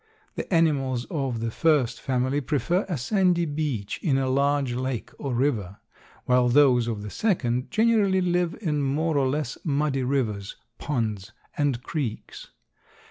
The animals of the first family prefer a sandy beach in a large lake or river, while those of the second generally live in more or less muddy rivers, ponds and creeks.